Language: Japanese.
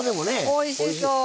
おいしそう。